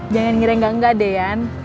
jangan ngira yang engga deyan